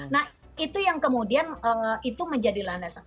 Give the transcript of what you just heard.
nah itu yang kemudian itu menjadi landasan